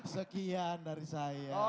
sekian dari saya